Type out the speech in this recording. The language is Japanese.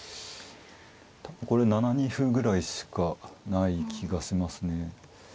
多分これ７二歩ぐらいしかない気がしますね。